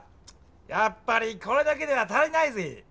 やっぱりこれだけでは足りないぜぇ！